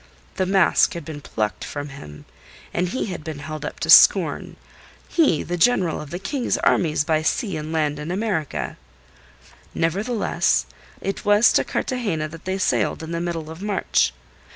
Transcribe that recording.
The mask had been plucked from him, and he had been held up to scorn he, the General of the King's Armies by Sea and Land in America. Nevertheless, it was to Cartagena that they sailed in the middle of March.